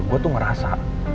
gue tuh ngerasa